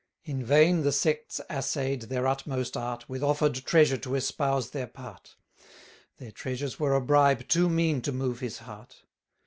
In vain the sects assay'd their utmost art, With offer'd treasure to espouse their part; Their treasures were a bribe too mean to move his heart.